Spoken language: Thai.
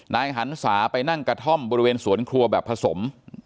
หันศาไปนั่งกระท่อมบริเวณสวนครัวแบบผสม